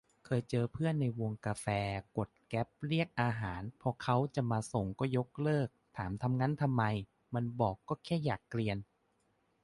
เคยเจอเพื่อนในวงกาแฟกดแกร็ปเรียกอาหารพอเค้าจะมาส่งก็ยกเลิก ถามทำงั้นทำไม มันบอกก็แค่อยากเกรียน